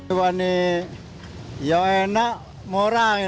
ini yang enak murah ini